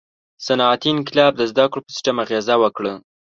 • صنعتي انقلاب د زدهکړو په سیستم اغېزه وکړه.